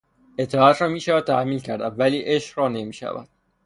اطاعت را میشود تحمیل کرد ولی عشق را نمیشود.